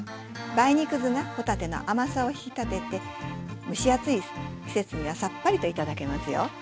梅肉酢が帆立ての甘さを引き立てて蒸し暑い季節にはさっぱりと頂けますよ。